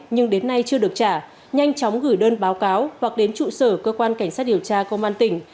nhưng đến nay chưa được trả nhanh chóng gửi đơn báo cáo hoặc đến trụ sở cơ quan cảnh sát điều tra công an tỉnh